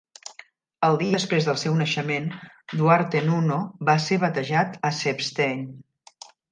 El dia després del seu naixement, Duarte Nuno va ser batejat a Seebenstein.